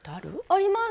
あります。